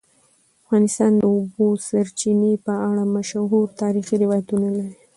افغانستان د د اوبو سرچینې په اړه مشهور تاریخی روایتونه لري.